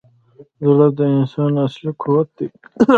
زړه د انسان اصلي قوت دی.